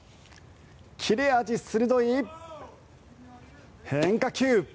切れ味鋭い変化球。